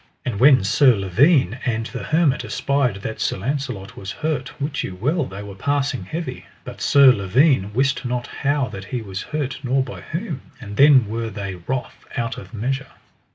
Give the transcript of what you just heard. And when Sir Lavaine and the hermit espied that Sir Launcelot was hurt, wit you well they were passing heavy, but Sir Lavaine wist not how that he was hurt nor by whom. And then were they wroth out of measure.